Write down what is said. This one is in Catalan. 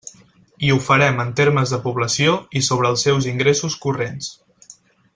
I ho farem en termes de població i sobre els seus ingressos corrents.